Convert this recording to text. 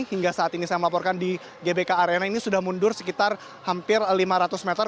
hingga saat ini saya melaporkan di gbk arena ini sudah mundur sekitar hampir lima ratus meter